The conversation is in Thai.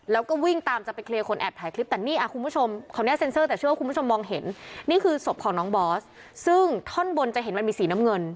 แล้วก็วิ่งตามจะไปเคลียร์คนแอบถ่ายคลิปแต่นี่คุณผู้ชมคนนี้เซ็นเซอร์แต่เชื่อว่าคุณผู้ชมมองเห็นนี่คือศพของน้องบอสซึ่งท่อนบนจะเห็นมันมีสีน้ำเงิน